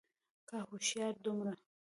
که هوښيار دومره